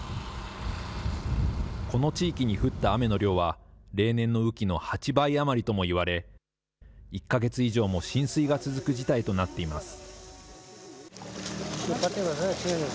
この地域に降った雨の量は、例年の雨季の８倍余りともいわれ、１か月以上も浸水が続く事態となっています。